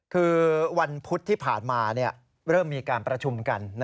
คือวันพุธที่ผ่านมาเริ่มมีการประชุมกัน